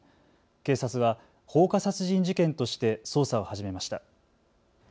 警察は放火殺人事件として捜査を始めました。